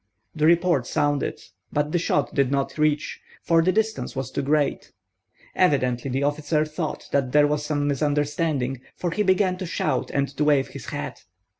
The report sounded; but the shot did not reach, for the distance was too great. Evidently the officer thought that there was some misunderstanding, for he began to shout and to wave his hat.